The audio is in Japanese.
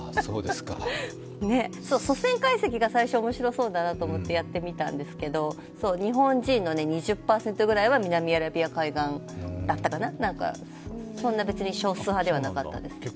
祖先解析が最初面白そうだなと思ってやってみたんですけど日本人の２０％ぐらいは南アラビア海岸だったかな、そんな別に少数派ではなかったです。